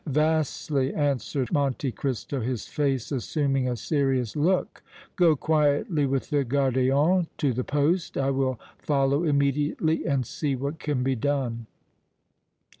"Vastly," answered Monte Cristo, his face assuming a serious look. "Go quietly with the gardien to the poste. I will follow immediately and see what can be done."